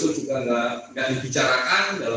itu juga tidak dibicarakan